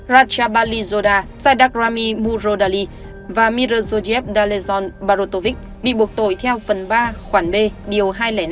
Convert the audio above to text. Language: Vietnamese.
ratchabalizoda saidakrami murodali và mirzojev dalezon barotovic bị buộc tội theo phần ba khoản b điều hai trăm linh năm